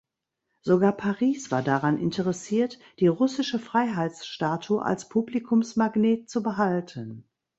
Sogar Paris war daran interessiert, die „russische Freiheitsstatue“ als Publikumsmagnet zu behalten.